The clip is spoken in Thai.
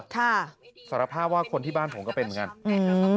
สารภาพว่าคนที่บ้านผมก็เป็นเหมือนกันอืม